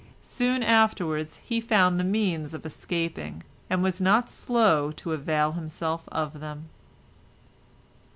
Soon afterwards he found the means of escaping, and was not slow to avail himself of them.